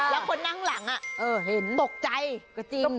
แล้วคนข้างหลังอ่ะตกใจก็จริง